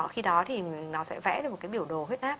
khi đó thì nó sẽ vẽ được một cái biểu đồ huyết áp